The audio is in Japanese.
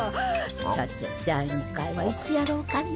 さて第２回はいつやろうかね。